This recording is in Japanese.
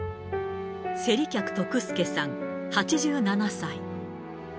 勢理客徳助さん８７歳。